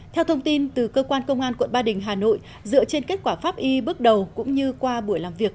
theo thông tin từ cơ quan công an quận ba đình hà nội dựa trên kết quả pháp y bước đầu cũng như qua buổi làm việc